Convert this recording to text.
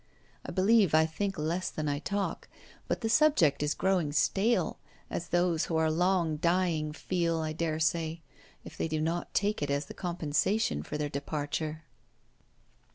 I believe I think less than I talk, but the subject is growing stale; as those who are long dying feel, I dare say if they do not take it as the compensation for their departure.'